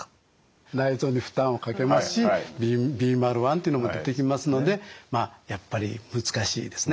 内臓に負担をかけますしビーマル１というのも出てきますのでまあやっぱり難しいですね。